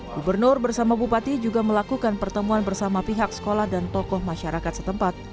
gubernur bersama bupati juga melakukan pertemuan bersama pihak sekolah dan tokoh masyarakat setempat